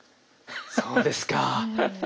そうですか。